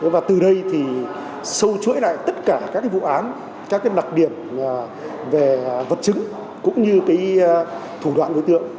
và từ đây thì sâu chuỗi lại tất cả các cái vụ án các cái đặc điểm về vật chứng cũng như cái thủ đoạn đối tượng